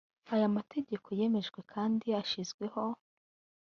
aya amategeko yemejwe kandi ashyizweho